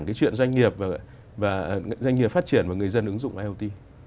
cái chuyện doanh nghiệp và doanh nghiệp phát triển và người dân ứng dụng iot